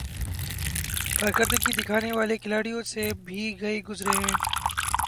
۔کارکردگی دکھانے والے کھلاڑیوں سے بھی گئے گزرے ہیں ۔